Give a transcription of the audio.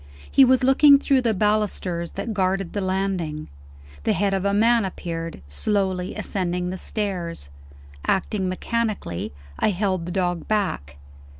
He was looking through the balusters that guarded the landing. The head of a man appeared, slowly ascending the stairs. Acting mechanically, I held the dog back.